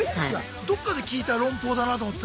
どっかで聞いた論法だなと思ったら。